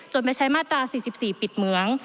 ไม่ใช้มาตรา๔๔ปิดเหมือง